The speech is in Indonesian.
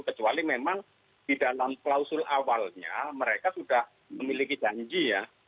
kecuali memang di dalam klausul awalnya mereka sudah memiliki janji ya